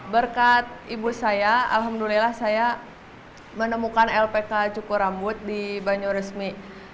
berkat ibu saya alhamdulillah saya menemukan lpk cukur rambut di banyuresmi